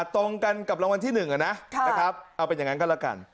ตรงกันกับรางวัลที่๑นะครับเอาเป็นอย่างนั้นก็แล้วกัน